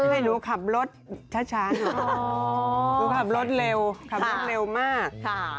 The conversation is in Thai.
ให้หนูขับรถช้าหนูขับรถเร็วขับรถเร็วมาก